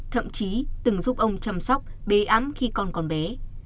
thậm chí từng giúp ông chăm sóc bé ám khi con còn bé